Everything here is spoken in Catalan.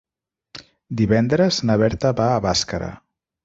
Divendres na Berta va a Bàscara.